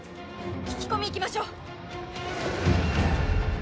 聞き込み行きましょう！